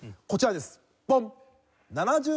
こちらです。